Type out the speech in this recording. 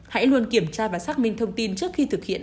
hãy luôn kiểm tra và xác minh thông tin trước khi thực hiện